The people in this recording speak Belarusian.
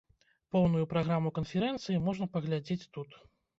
Поўную праграму канферэнцыі можна паглядзець тут.